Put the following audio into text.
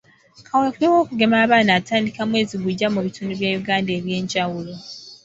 Kaweefube w'okugema abaana atandika mwezi gujja mu bitundu bya Uganda eby'enjawulo.